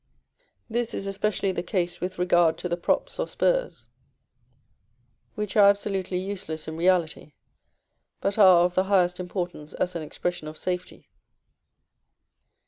This is especially the case with regard to the props or spurs, which are absolutely useless in reality, but are of the highest importance as an expression of safety.